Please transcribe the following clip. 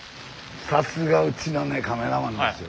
さすがうちのねカメラマンですよ。